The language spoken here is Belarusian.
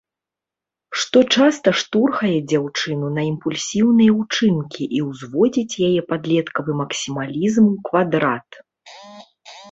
Што часта штурхае дзяўчыну на імпульсіўныя ўчынкі і ўзводзіць яе падлеткавы максімалізм ў квадрат.